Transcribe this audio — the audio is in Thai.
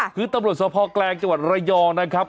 คือตำรวจสภแกลงจังหวัดระยองนะครับ